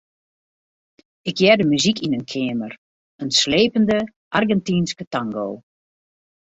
Ik hearde muzyk yn in keamer, in slepende Argentynske tango.